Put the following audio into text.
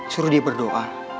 suruh dia berdoa